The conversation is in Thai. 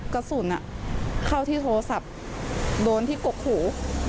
กระสุนเข้าที่โทรศัพท์โดนที่กกหู